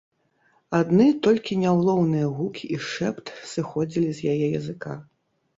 Адны толькі няўлоўныя гукі і шэпт сыходзілі з яе языка.